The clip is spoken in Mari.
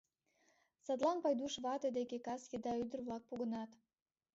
Садлан Пайдуш вате деке кас еда ӱдыр-влак погынат.